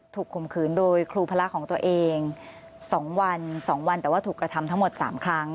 ถูกคุมขืนโดยครูพระราชของตัวเองสองวันสองวันแต่ว่าถูกกระทำทั้งหมดสามครั้ง